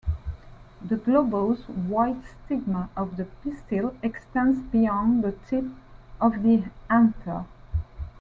The globose white stigma of the pistil extends beyond the tip of the anther.